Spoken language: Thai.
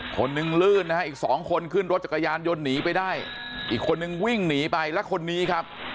คนหนึ่งลื่นนะฮะอีกสองคนขึ้นรถจักรยานยนต์หนีไปได้อีกคนนึงวิ่งหนีไปแล้วคนนี้ครับ